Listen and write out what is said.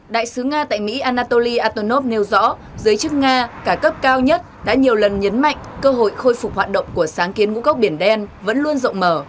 đại sứ nga tại mỹ anatoly atonov nêu rõ giới chức nga cả cấp cao nhất đã nhiều lần nhấn mạnh cơ hội khôi phục hoạt động của sáng kiến ngũ cốc biển đen vẫn luôn rộng mở